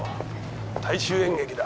大衆演劇だ。